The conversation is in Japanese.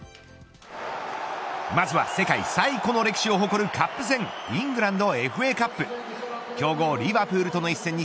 まずは世界最古の歴史を誇るカップ戦イングランドＦＡカップ。